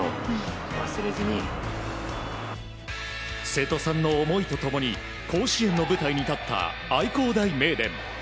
瀬戸さんの思いと共に甲子園の舞台に立った愛工大名電。